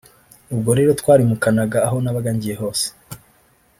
ubwo rero twarimukanaga aho nabaga ngiye hose